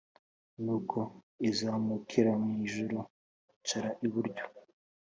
nuko azamukira mu ijuru yicara iburyo